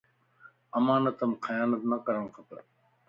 امانت مَ خيانت نه ڪرڻ کپ